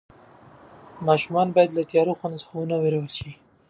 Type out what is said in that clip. ماشومان باید له تیاره خونو څخه ونه وېرول شي.